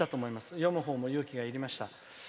読むほうも勇気がいりました。